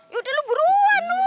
yaudah lu buruan lu